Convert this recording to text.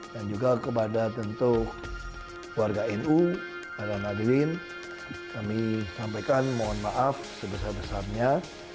dan juga kepada tentu keluarga nu para nadilin kami sampaikan mohon maaf sebesar besarnya